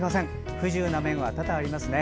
不自由な面は多々ありますね。